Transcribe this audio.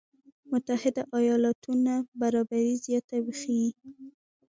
متحده ایالاتو برابري زياته وښيي.